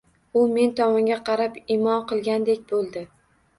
U men tomonga qarab imo qilgandek bo`ldi